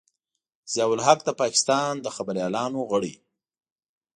ضیا الحق د پاکستان د خبریالانو غړی.